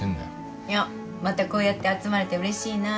いやまたこうやって集まれてうれしいなって。